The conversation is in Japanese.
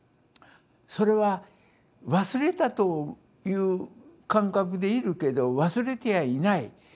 それは忘れたという感覚でいるけど忘れてやいない。